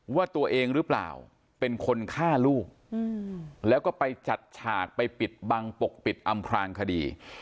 ว่าตัวเองหรือเปล่าเป็นคนฆ่าลูกแล้วก็ไปจัดฉากไปปิดบังปกปิดอำพลางคดี